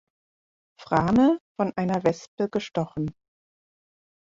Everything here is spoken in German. Frame von einer Wespe gestochen.